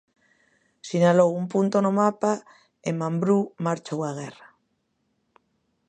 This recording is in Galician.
Sinalou un punto no mapa e Mambrú marchou á guerra.